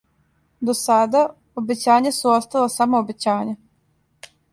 До сада, обећања су остала само обећања.